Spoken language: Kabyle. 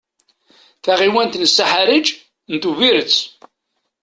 Taɣiwant n Saḥariǧ n Tuviret.